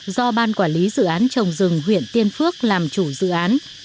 do ban quản lý dự án trồng rừng huyện tiên phước làm chủ dự án